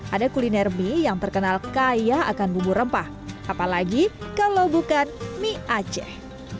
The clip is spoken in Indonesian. ada kuliner mie yang terkenal kaya akan bumbu rempah apalagi kalau bukan mie aceh